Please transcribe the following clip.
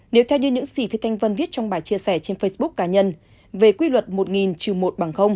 nếu theo như những sĩ phi thanh vân viết trong bài chia sẻ trên facebook cá nhân về quy luật một nghìn một